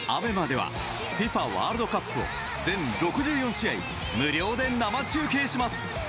ＡＢＥＭＡではＦＩＦＡワールドカップを全６４試合無料で生中継します。